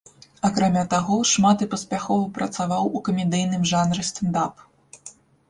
Акрамя таго, шмат і паспяхова працаваў у камедыйным жанры стэнд-ап.